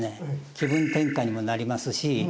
気分転換にもなりますし